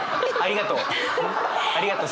ありがとう。